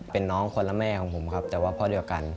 เป็นน้องคนละแม่ของผมครับแต่ว่าพ่อเดียวกัน